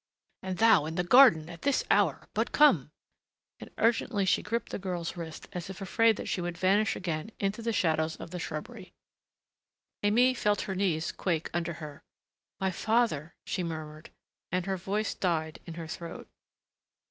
And thou in the garden, at this hour.... But come," and urgently she gripped the girl's wrist as if afraid that she would vanish again into the shadows of the shrubbery. Aimée felt her knees quake under her. "My father!" she murmured, and her voice died in her throat.